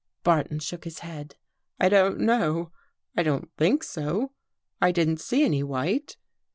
" Barton shook his head. " I don't know. I don't think so. I didn't see any white.